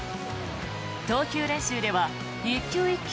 投球練習では１球１球